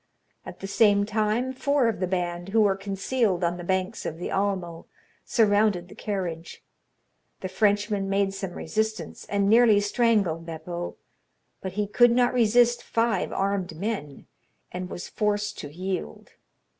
At the same time, four of the band, who were concealed on the banks of the Almo, surrounded the carriage. The Frenchman made some resistance, and nearly strangled Beppo; but he could not resist five armed men, and was forced to yield.